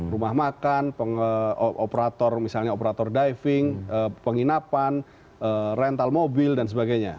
rumah makan operator misalnya operator diving penginapan rental mobil dan sebagainya